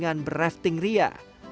kita akan berhenti di rafting ria